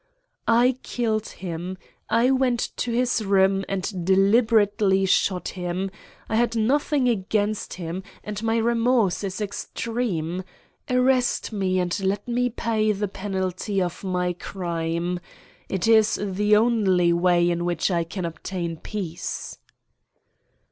"I killed him. I went to his room and deliberately shot him. I had nothing against him, and my remorse is extreme. Arrest me, and let me pay the penalty of my crime. It is the only way in which I can obtain peace."